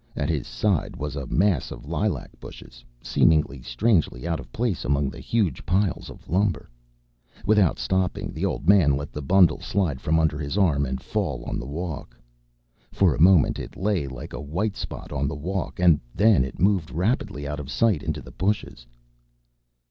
At his side was a mass of lilac bushes, seeming strangely out of place among the huge piles of lumber. Without stopping, the old man let the bundle slide from under his arm and fall on the walk. For a moment it lay like a white spot on the walk, and then it moved rapidly out of sight into the bushes.